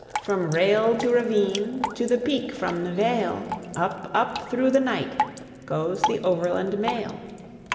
From rail to ravine to the peak from the vale Up, up through the night goes the Overland Mail.